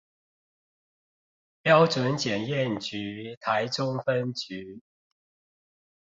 標準檢驗局臺中分局